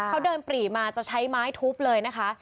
เขาเดินปรีมาจะใช้ไม้ทุบเลยนะคะ